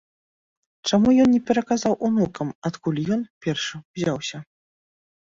Чаму ён не пераказаў унукам, адкуль ён, першы, узяўся?